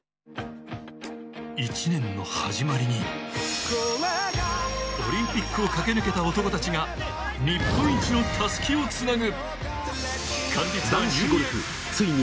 １年の始まりにオリンピックを駆け抜けた男たちが日本一のたすきをつなぐ。